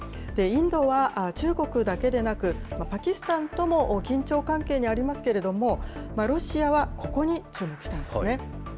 インドは中国だけでなく、パキスタンとも緊張関係にありますけれども、ロシアはここに注目したんですね。